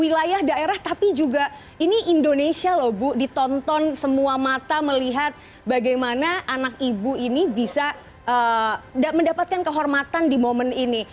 wilayah daerah tapi juga ini indonesia loh bu ditonton semua mata melihat bagaimana anak ibu ini bisa mendapatkan kehormatan di momen ini